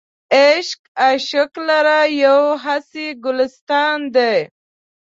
عشق عاشق لره یو هسې ګلستان دی.